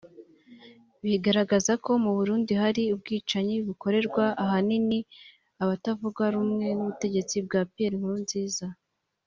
bigaragaza ko mu Burundi hari ubwicanyi bukorerwa ahanini abatavuga rumwe n’ubutegetsi bwa Pierre Nkurunziza